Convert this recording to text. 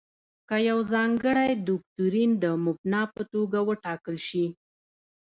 که یو ځانګړی دوکتورین د مبنا په توګه وټاکل شي.